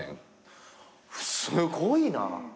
すごいな。